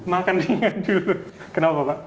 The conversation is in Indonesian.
makan ringan dulu kenapa pak